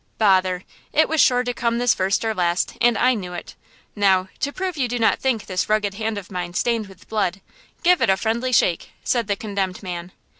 "Bother! It was sure to come to this first or last, and I knew it! Now, to prove you do not think this rugged hand of mine stained with blood, give it a friendly shake!" said the condemned man.